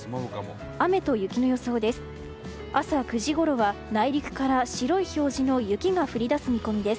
雨と雪の予想です。